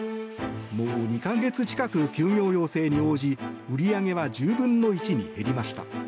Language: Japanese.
もう２か月近く休業要請に応じ売り上げは１０分の１に減りました。